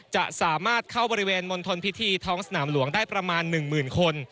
จะสามารถเข้าบริเวณมณฑลพิธีท้องสนามหลวงได้ประมาณ๑หมื่นคน